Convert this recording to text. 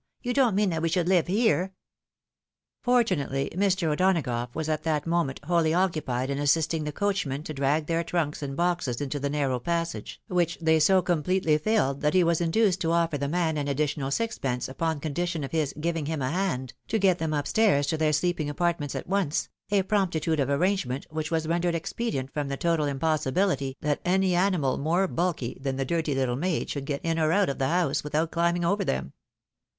You don't mean that we should live here ?" Fortunately, Mr. O'Donagough was at that moment wholly occupied in assisting the coachman to drag their trunks and boxes into the narrow passage, which they so completely filled that he was induced to offer the man an additional sixpence upon condition of his " giving him a hand " to get them up stairs to their sleeping apartments at once, a promptitude of arrange ment which was rendered expedient from the total impossibihty that any animal more bulky than the dirty httle maid should get in or out of the house without chmbing over them.